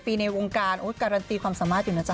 ปีในวงการการันตีความสามารถอยู่นะจ๊